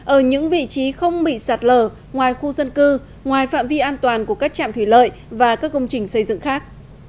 ở những vị trí không bị sạt lở ngoài khu dân cư ngoài phạm vi an toàn của các trạm thủy lợi và các công trình xây dựng khác